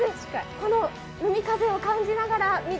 この海風を感じながらみ